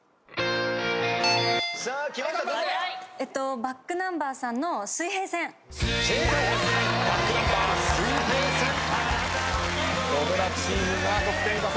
ｂａｃｋｎｕｍｂｅｒさんの『水平線』土ドラチームが得点重ねてきた。